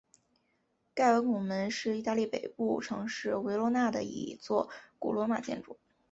盖维拱门是意大利北部城市维罗纳的一座古罗马建筑。